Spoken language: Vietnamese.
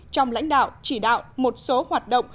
trong lãnh đạo chỉ đạo một số hoạt động